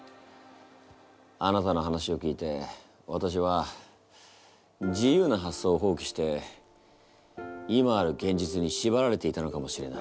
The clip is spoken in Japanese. あなたの話を聞いてわたしは自由な発想をほうきして今あるげんじつにしばられていたのかもしれない。